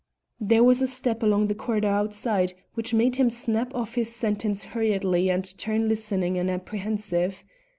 There was a step along the corridor outside, which made him snap off his sentence hurriedly and turn listening and apprehensive.